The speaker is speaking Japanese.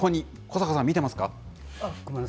小坂さん、見てますか？